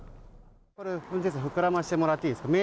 運転手さん、膨らませてもらっていいですか。